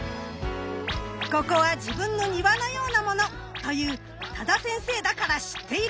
ここは自分の庭のようなものという多田先生だから知っている！